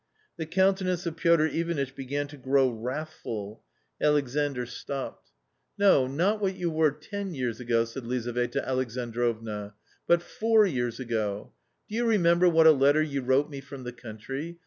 ,, The countenance of Piotr Ivanitch began to grow wrath ful. Alexandr stopped. A COMMON STORY 281 " No, not what you were ten years ago," said Lizaveta Alexandrovna, " but four years ago ; do you remember what a letter you wrote me from the country